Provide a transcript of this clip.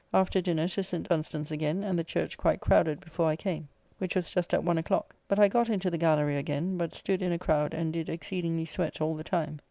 After dinner to St. Dunstan's again; and the church quite crowded before I came, which was just at one o'clock; but I got into the gallery again, but stood in a crowd and did exceedingly sweat all the time.